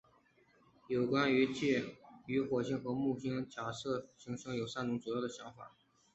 有关于介于火星和木星之间的假设行星有三种主要的想法。